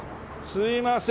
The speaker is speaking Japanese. すいません。